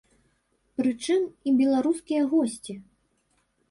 Прычым і беларускія госці.